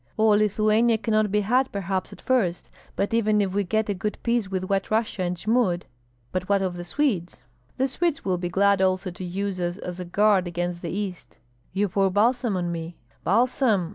"All Lithuania cannot be had, perhaps, at first, but even if we get a good piece with White Russia and Jmud " "But what of the Swedes?" "The Swedes will be glad also to use us as a guard against the East." "You pour balsam on me." "Balsam!